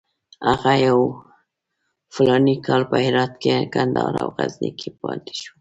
هغه یو فلاني کال په هرات، کندهار او غزني کې پاتې شو.